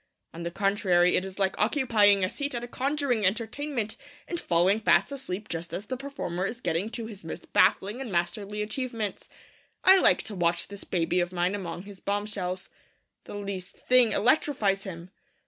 On the contrary, it is like occupying a seat at a conjuring entertainment and falling fast asleep just as the performer is getting to his most baffling and masterly achievements. I like to watch this baby of mine among his bombshells. The least thing electrifies him.